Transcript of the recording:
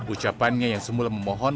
ucapannya yang semula memohon